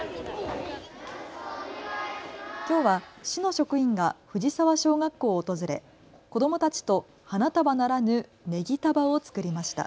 きょうは市の職員が藤沢小学校を訪れ、子どもたちと花束ならぬねぎ束を作りました。